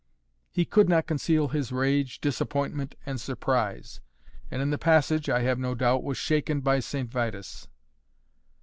He could not conceal his rage, disappointment, and surprise; and in the passage (I have no doubt) was shaken by St. Vitus.